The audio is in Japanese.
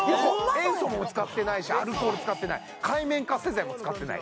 塩素も使ってないしアルコール使ってない界面活性剤も使ってない